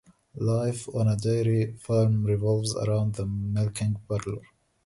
Life on a dairy farm revolves around the milking parlor.